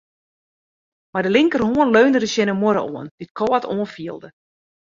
Mei de lofterhân leunde er tsjin de muorre oan, dy't kâld oanfielde.